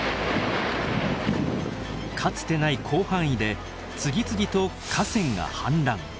かつてない広範囲で次々と河川が氾濫。